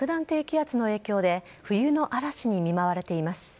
低気圧の影響で、冬の嵐に見舞われています。